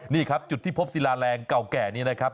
นี่ครับจุดที่พบศิลาแรงเก่าแก่นี้นะครับ